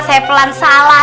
saya pelan salah